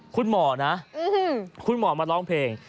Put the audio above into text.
คุณหมอนะคุณหมอมาร้องเพลง